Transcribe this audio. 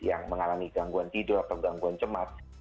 yang mengalami gangguan tidur atau gangguan cemas